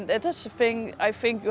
dan itu adalah hal yang saya pikir